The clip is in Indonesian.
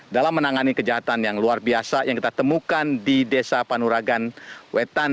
dalam menangani kejahatan yang luar biasa yang kita temukan di desa panuragan wetan